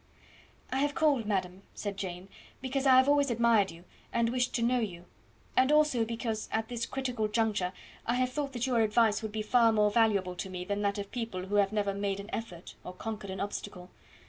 "I have called, madam," said Jane, "because I have always admired you, and wished to know you; and also because at this critical juncture I have thought that your advice would be far more valuable to me than that of people who have never made an effort or conquered an obstacle.